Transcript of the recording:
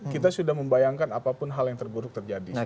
kita sudah membayangkan apapun hal yang terburuk terjadi